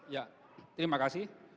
ya terima kasih